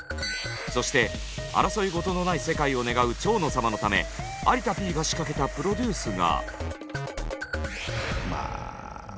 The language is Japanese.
そして争いごとのない世界を願う蝶野様のため有田Ｐが仕掛けたプロデュースが。